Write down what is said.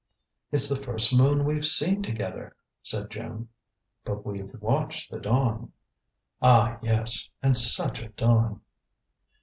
"It's the first moon we've seen together!" said Jim. "But we've watched the dawn." "Ah, yes; and such a dawn!"